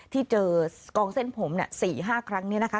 ที่เจอกองเส้นผมเนี่ยสี่ห้าครั้งเนี่ยนะคะ